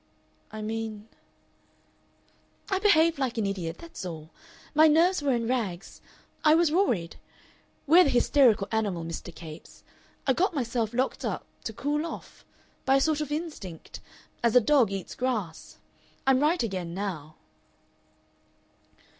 "I mean " "I behaved like an idiot, that's all. My nerves were in rags. I was worried. We're the hysterical animal, Mr. Capes. I got myself locked up to cool off. By a sort of instinct. As a dog eats grass. I'm right again now."